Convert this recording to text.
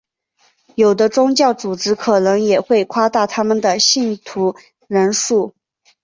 有的宗教组织可能也会夸大他们的信徒人数。